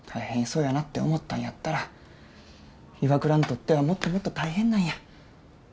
そうやなって思ったんやったら岩倉にとってはもっともっと大変なんや。